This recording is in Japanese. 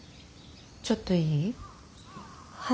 ちょっといい？